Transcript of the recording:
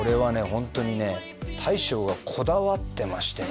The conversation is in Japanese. ホントにね大将がこだわってましてね